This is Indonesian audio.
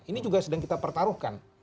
ini juga sedang kita pertaruhkan